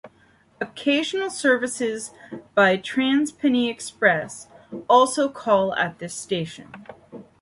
Occasional services by TransPennine Express also call at this station.